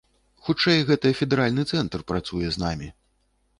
Хутчэй, гэта федэральны цэнтр працуе з намі.